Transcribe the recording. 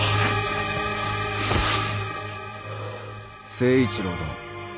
「成一郎殿。